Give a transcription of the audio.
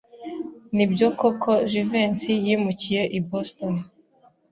Nibyo koko Jivency yimukiye i Boston?